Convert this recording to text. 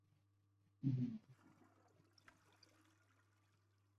桃榄为山榄科桃榄属下的一个种。